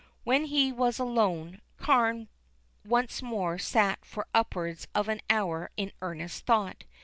When he was alone, Carne once more sat for upwards of an hour in earnest thought.